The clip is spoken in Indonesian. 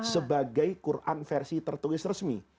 sebagai quran versi tertulis resmi